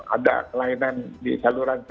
ada kelainan di saluran